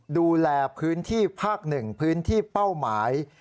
ดูแลพื้นที่ภาค๑พื้นที่เป้าหมาย